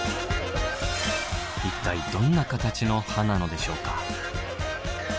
一体どんな形の歯なのでしょうか？